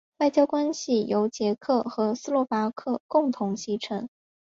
外交关系由捷克和斯洛伐克共同继承。